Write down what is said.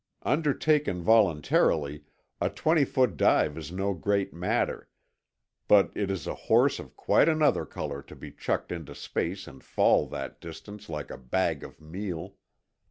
Undertaken voluntarily, a twenty foot dive is no great matter, but it is a horse of quite another color to be chucked into space and fall that distance like a bag of meal.